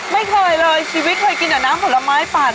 ไม่เคยเลยชีวิตเคยกินแต่น้ำผลไม้ปั่น